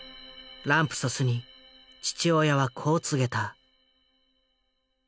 ランプソスに父親はこう告げた。